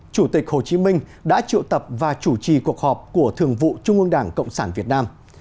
chủ tịch hồ chí minh đã triệu tập và chủ trì cuộc họp của thường vụ trung ương đảng cộng sản việt nam